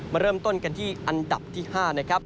มาเริ่มต้นกันที่อันดับที่๕นะครับ